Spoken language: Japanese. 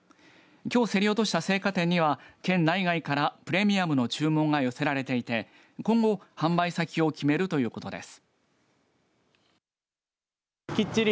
きょう競り落とした青果店には県内外からプレミアムの注文が寄せられていて今後、販売先を決めるということです。